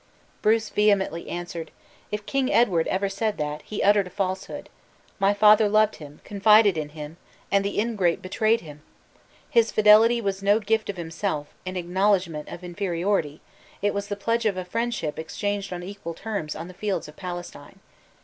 Bruce vehemently answered, "If King Edward ever said that, he uttered a falsehood. My father loved him, confided in him, and the ingrate betrayed him! His fidelity was no gift of himself, in acknowledgment of inferiority; it was the pledge of a friendship exchanged on equal terms on the fields of Palestine.